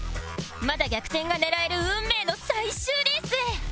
まだ逆転が狙える運命の最終レースへ